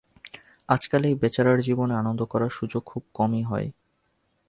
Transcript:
আজকাল এই বেচারার জীবনে আনন্দ করার সুযোগ খুব কমই হয়।